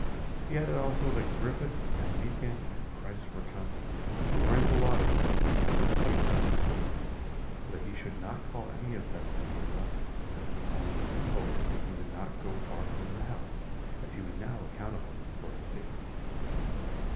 He added also that Griffith and Meekin and Price were come, and were in the laundry, which was then to be called the schoolroom; but that he should not call any of them that day to lessons; only he hoped that he would not go far from the house, as he was now accountable for his safety.